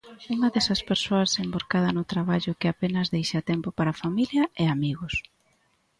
Unha desas persoas envorcada no traballo que apenas deixa tempo para familia e amigos.